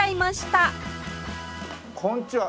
こんにちは。